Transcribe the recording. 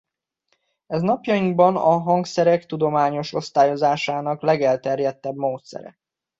Ez napjainkban a hangszerek tudományos osztályozásának legelterjedtebb módszere.